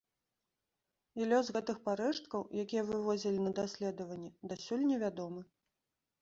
І лёс гэтых парэшткаў, якія вывозілі на даследаванні, дасюль невядомы.